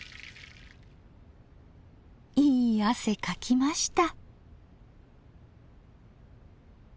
いい汗かきました。